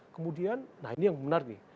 kemudian nah ini yang benar nih